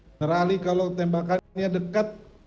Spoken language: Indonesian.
saudara ali kalau tembakannya dekat